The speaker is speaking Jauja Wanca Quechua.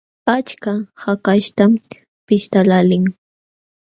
Achka hakaśhtam pishtaqlaalin.